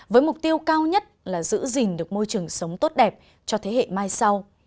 với mục tiêu cao nhất là giữ gìn được môi trường sống tốt đẹp cho thế hệ mai sau